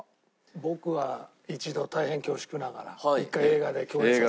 僕は一度大変恐縮ながら一回映画で共演させて頂いて。